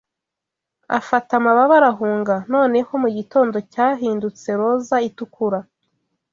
Afata amababa, arahunga; Noneho mugitondo cyahindutse roza itukura